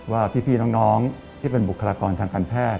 ว่าพี่น้องที่เป็นบุคลากรทางการแพทย์